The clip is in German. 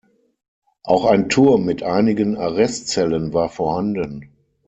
Auch ein Turm mit einigen Arrestzellen war vorhanden.